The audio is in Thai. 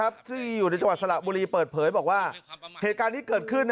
บวนว่าครูด้วยก็คือสติแปลก